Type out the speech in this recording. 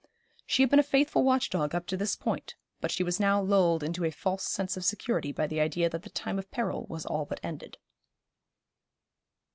She had been a faithful watch dog up to this point; but she was now lulled into a false sense of security by the idea that the time of peril was all but ended.